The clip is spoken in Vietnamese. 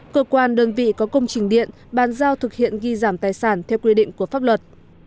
cơ quan đơn vị có công trình điện bàn giao thực hiện ghi giảm tài sản theo quy định của pháp luật